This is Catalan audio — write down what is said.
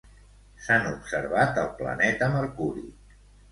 S'han observat al planeta Mercuri.